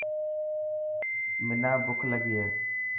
منا بک لگي هي.